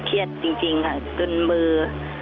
เครียดจริงค่ะจนมือ